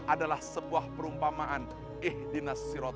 adalah sebuah perumpamaan